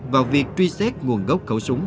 vào việc truy xét nguồn gốc khẩu súng